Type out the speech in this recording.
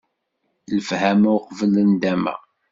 Lefhama uqbel nndama!